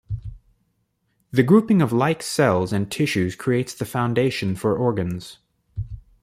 The grouping of like cells and tissues creates the foundation for organs.